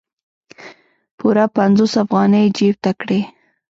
پوره پنځوس افغانۍ یې جیب ته کړې.